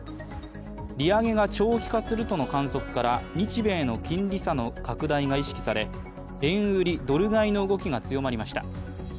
利上げが長期化するとの観測から日米の金利差の拡大が意識され円売り・ドル買いの動きが強まりました。